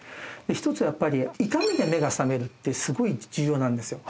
一つやっぱり痛みで目が覚めるってすごい重要なんですよ